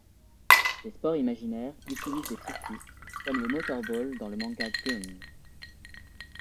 Des sports imaginaires utilisent des circuits, comme le Motorball dans le manga Gunnm.